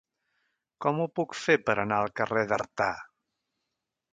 Com ho puc fer per anar al carrer d'Artà?